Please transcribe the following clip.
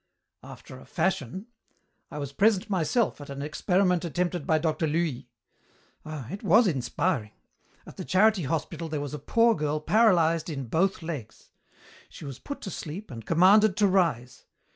"After a fashion. I was present myself at an experiment attempted by Dr. Luys. Ah, it was inspiring! At the charity hospital there was a poor girl paralyzed in both legs. She was put to sleep and commanded to rise.